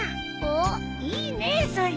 おっいいねえそれ。